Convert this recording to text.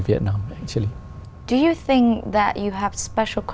vì vậy một tất nhiên nó là một tình trạng lãnh đạo